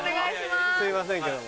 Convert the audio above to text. すいませんけども。